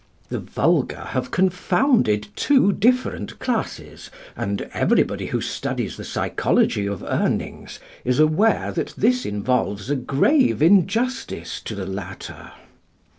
The vulgar have confounded two different classes; and everybody who studies the psychology of Urnings is aware that this involves a grave injustice to the latter.